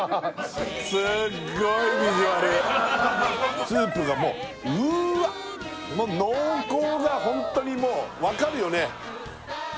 すっごいビジュアルスープがもううわっもう濃厚だホントにもう分かるよね